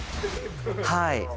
はい